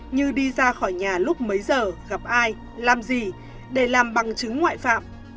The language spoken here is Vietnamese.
như đi ra khỏi nhà lúc mấy giờ gặp ai làm gì để làm bằng chứng ngoại phạm